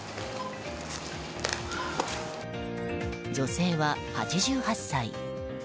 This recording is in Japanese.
女性は８８歳。